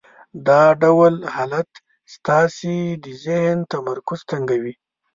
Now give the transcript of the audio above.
دا ډول حالت ستاسې د ذهن تمرکز تنګوي.